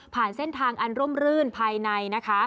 เส้นทางอันร่มรื่นภายในนะคะ